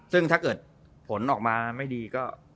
ซึ่งถ้าเกิดผลออกมาไม่ดีก็